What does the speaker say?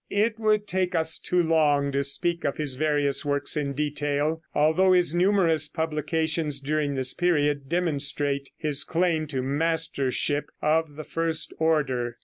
It would take us too long to speak of his various works in detail, although his numerous publications during this period demonstrate his claim to mastership of the first order.